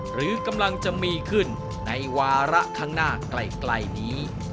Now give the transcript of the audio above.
หรือกำลังจะมีขึ้นในวาระข้างหน้าไกลนี้